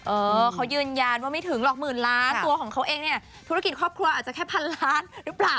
เออเขายืนยันว่าไม่ถึงหรอกหมื่นล้านตัวของเขาเองเนี่ยธุรกิจครอบครัวอาจจะแค่พันล้านหรือเปล่า